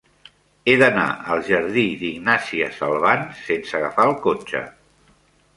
He d'anar al jardí d'Ignàsia Salvans sense agafar el cotxe.